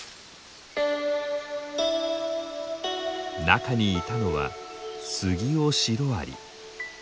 中にいたのはスギオシロアリ。